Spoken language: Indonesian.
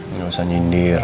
nggak usah nyindir